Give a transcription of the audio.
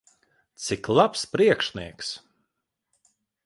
Cik labs priekšnieks!